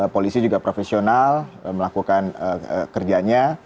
polisi juga profesional melakukan kerjanya